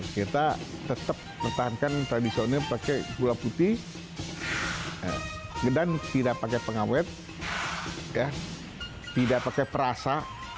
kita tetap mentahankan tradisionalnya pakai gula putih dan tidak pakai pengawet tidak pakai perasa